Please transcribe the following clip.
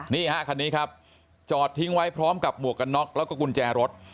นี่ฮะคันนี้ครับจอดทิ้งไว้พร้อมกับหมวกกันน็อกแล้วก็กุญแจรถ